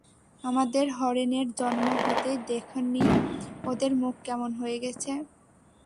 আমাদের হরেনের জন্ম হতেই দেখ নি, ওদের মুখ কেমন হয়ে গেছে।